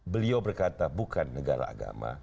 beliau berkata bukan negara agama